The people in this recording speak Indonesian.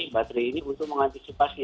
baterai ini untuk mengantisipasi